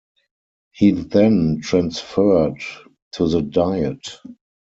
He then transferred to the Diet.